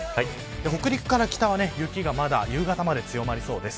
北陸から北は、雪がまだ夕方まで強まりそうです。